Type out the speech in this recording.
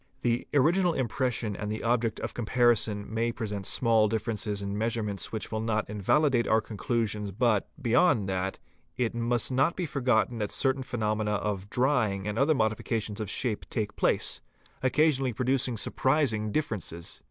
The original impression and the object of comparison may present small differences in measurements which will not invalidate our conclusion but, beyond that, it must not be forgotten that certain phenomena of 'drying and other modifications of shape take place, occasionally producing surprising differences.